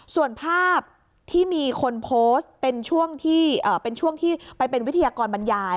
ส่วนภาพที่มีคนโพสต์เป็นช่วงที่ไปเป็นวิทยากรบรรยาย